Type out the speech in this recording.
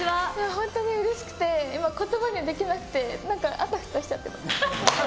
本当にうれしくて今、言葉にできなくて何かあたふたしちゃってます。